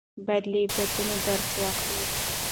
باید له عبرتونو درس واخلو.